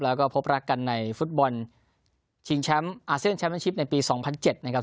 แล้วก็พบรักกันในฟุตบอลชิงแชมป์อาเซียนแชมป์ชิปในปี๒๐๐๗นะครับ